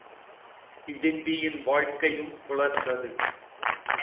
இடிம்பியின் வாழ்க் கையும் புலர்ந்தது.